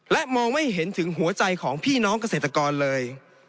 และมองไม่เห็นถึงหัวใจของพี่น้องเกษตรกรเลย